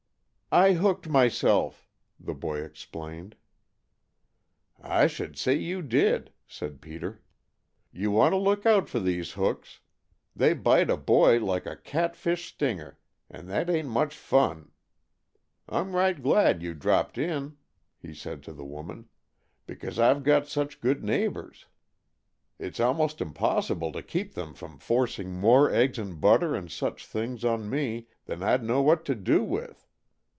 "I hooked myself," the boy explained. "I should say you did," said Peter. "You want to look out for these hooks, they bite a boy like a cat fish stinger, and that ain't much fun. I'm right glad you dropped in," he said to the woman, "because I've got such good neighbors. It's almost impossible to keep them from forcing more eggs and butter and such things on me than I'd know what to do with.